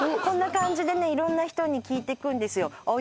こんな感じでね色んな人に聞いてくんですよ